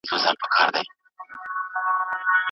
د مرګ تر وخته پوري د الله له ذکره مننه لره.